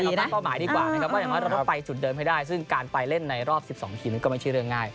มีตั้งเป้าหมายดีกว่านะครับว่าอย่างน้อยเราต้องไปจุดเดิมให้ได้ซึ่งการไปเล่นในรอบ๑๒ทีมก็ไม่ใช่เรื่องง่าย